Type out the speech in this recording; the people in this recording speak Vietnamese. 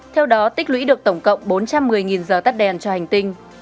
theo đó tích lũy được tổng cộng bốn trăm một mươi giờ tắt đèn cho hành tinh